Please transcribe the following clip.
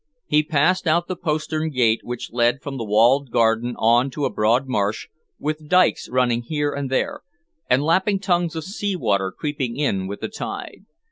He passed out of the postern gate which led from the walled garden on to a broad marsh, with dikes running here and there, and lapping tongues of sea water creeping in with the tide.